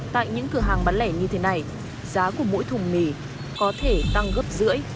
tại những cửa hàng bán lẻ như thế này giá của mỗi thùng mì có thể tăng gấp rưỡi